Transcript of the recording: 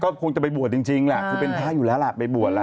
ก็คงจะไปบวชจริงแหละคือเป็นพระอยู่แล้วล่ะไปบวชแล้ว